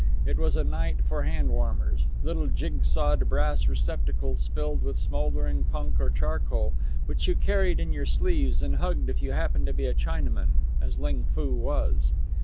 It was a night for hand warmers little jigsawed brass receptacles filled with smoldering punk or charcoal, which you carried in your sleeves and hugged if you happened to be a Chinaman, as Ling Foo was.